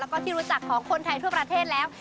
แล้วก็ที่รู้จักของคนไทยทั่วประเทศแล้ว